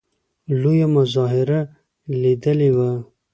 لویه مظاهره لیدلې وه.